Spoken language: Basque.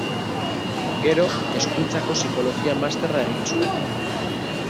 Gero, Hezkuntzako Psikologia Masterra egin zuen.